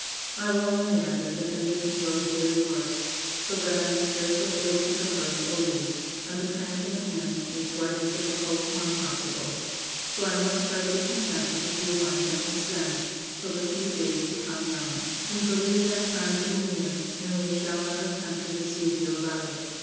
I will only add that the condition grows daily worse, so that I am scarcely able to converse or read, and the cramp in the hands makes writing difficult or impossible; so I must try to be content with the few lines I can send, till the few days become none. We believe that time to be near, and we shall not attempt to deceive you about it.